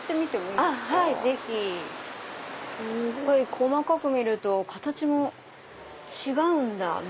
細かく見ると形も違うんだ。